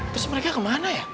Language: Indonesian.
terus mereka kemana ya